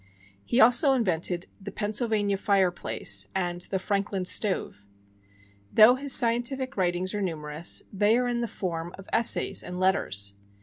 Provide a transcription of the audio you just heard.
He also invented the "Pennsylvania fireplace" and the "Franklin" stove. Though his scientific writings are numerous, they are in the form of essays and letters.